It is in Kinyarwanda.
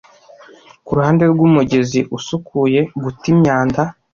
kuruhande rwumugezi usukuye guta imyanda